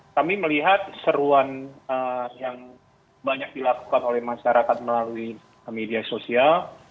kami melihat seruan yang banyak dilakukan oleh masyarakat melalui media sosial